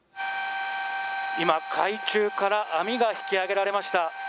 今、海中から網が引き揚げられました。